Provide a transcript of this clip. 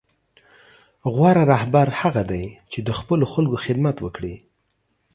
غوره رهبر هغه دی چې د خپلو خلکو خدمت وکړي.